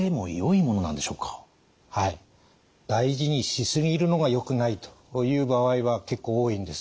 大事にし過ぎるのがよくないという場合は結構多いんです。